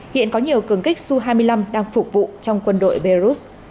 hiện có nhiều cường kích su hai mươi năm đang phục vụ trong quân đội belarus